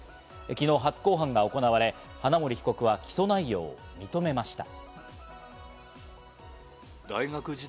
昨日、初公判が行われ、花森被告は起訴内容を認めました。